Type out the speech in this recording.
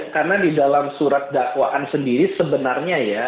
karena di dalam surat dakwaan sendiri sebenarnya ya